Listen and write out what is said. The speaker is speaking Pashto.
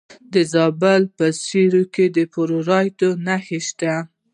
د زابل په سیوري کې د فلورایټ نښې شته.